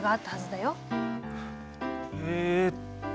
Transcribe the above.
えっと。